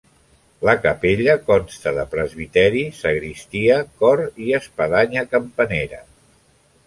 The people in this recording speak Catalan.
La capella consta de presbiteri, sagristia, cor i espadanya campanera.